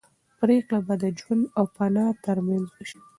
پرېکړه به د ژوند او فنا تر منځ وشي.